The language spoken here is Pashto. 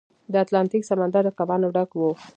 د اتلانتیک سمندر د کبانو ډک و.